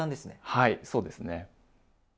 はいそうですね。